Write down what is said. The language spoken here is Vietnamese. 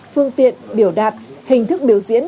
phương tiện biểu đạt hình thức biểu diễn